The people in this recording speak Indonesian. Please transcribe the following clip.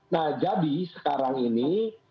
nah jadi sekarang ini